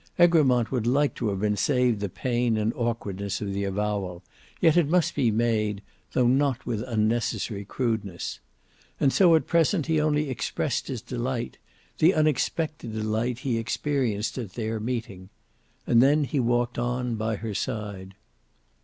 Egremont would like to have been saved the pain and awkwardness of the avowal, yet it must be made, though not with unnecessary crudeness. And so at present he only expressed his delight, the unexpected delight he experienced at their meeting. And then he walked on by her side.